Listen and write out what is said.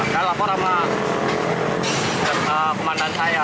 dia laporan sama pemandan saya